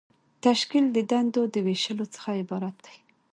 تشکیل د دندو د ویشلو څخه عبارت دی.